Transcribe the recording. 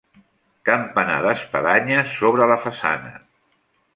Campanar d'espadanya sobre la façana.